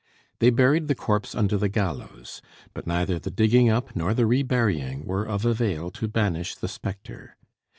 They buried the corpse under the gallows; but neither the digging up nor the reburying were of avail to banish the spectre.